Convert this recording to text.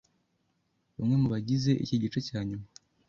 bamwe mu bagize iki gice cya nyuma